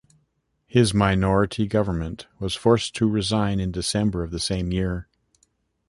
His minority government was forced to resign in December of the same year.